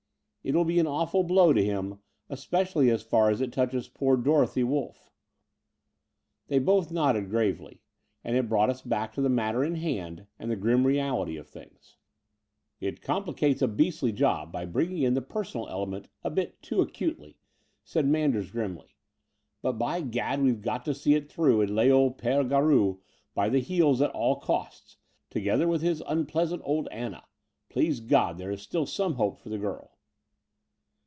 It will be an awful blow to him, especially as far as it touches poor Dorothy Wolff." They both nodded gravely; and it brought us back to the matter in hand and the grim reality of things. 212 The Door of the Unreal ''It complicates a beastly job by bringing in the personal element a bit too acutely/' said Manders grimly: "but, by gad, we've got to see it through and lay old P6re Garou by the heels at all costs, together with his unpleasant old Anna. Please God, there is still some hope for the girl.